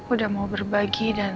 udah mau berbagi dan